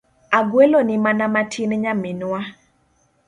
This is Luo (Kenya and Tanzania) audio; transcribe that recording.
Agweloni mana matin Nyaminwa.